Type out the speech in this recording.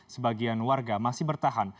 sebagian warga masih bertahan